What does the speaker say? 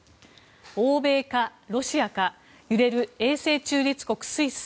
欧米かロシアか揺れる永世中立国スイス。